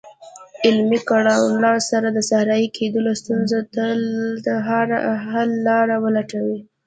عملي کړنلارو سره د صحرایې کیدلو ستونزو ته حل لارې ولټوي.